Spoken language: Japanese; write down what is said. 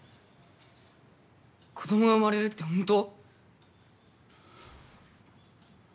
子供が生まれるって本当？